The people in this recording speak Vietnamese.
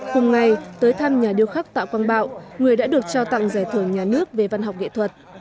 cùng ngày tới thăm nhà điêu khắc tạ quang bạo người đã được trao tặng giải thưởng nhà nước về văn học nghệ thuật